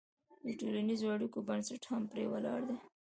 د ټولنیزو اړیکو بنسټ هم پرې ولاړ دی.